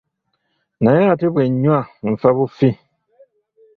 Naye ate bwe nnywa nfa bufi.